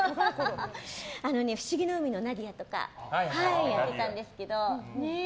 「ふしぎの海のナディア」とかやってたんですけど、ねえ。